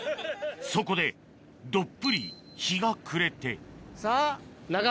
そこでどっぷり日が暮れてさぁ。